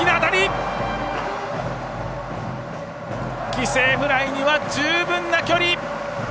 犠牲フライには十分な距離。